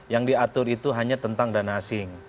yang diatur itu hanya tentang dana asing